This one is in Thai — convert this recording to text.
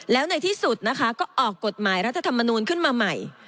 แล้วในที่สุดนะคะก็ออกกฎหมายรัฐธรรมนูลขึ้นมาใหม่